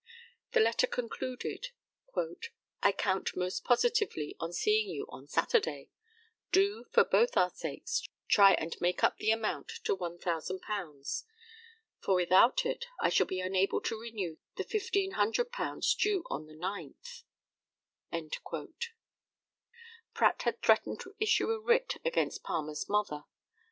The letter concluded "I count most positively on seeing you on Saturday. Do, for both our sakes, try and make up the amount to £1,000, for without it I shall be unable to renew the £1,500 due on the ninth." Pratt had threatened to issue a writ against Palmer's mother.